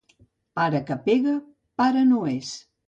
Pare que pega, pare no és.